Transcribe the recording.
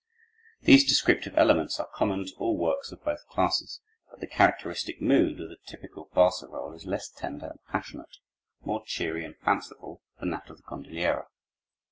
These descriptive elements are common to all works of both classes, but the characteristic mood of the typical barcarolle is less tender and passionate, more cheery and fanciful than that of the gondoliera.